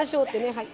はい。